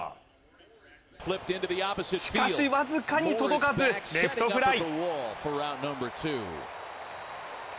しかし僅かに届かず、レフトフライ。